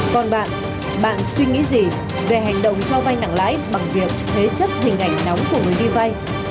còn bạn bạn suy nghĩ gì về hành động cho vai nặng lãi bằng việc thế chấp hình ảnh nóng của người đi vay